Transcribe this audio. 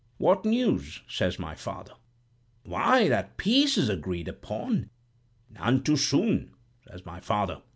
'What news?' says my father. 'Why, that peace is agreed upon.' 'None too soon,' says my father.